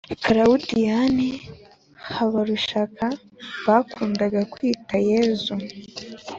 karawudiyani habarushaka, bakundaga kwita «yezu»,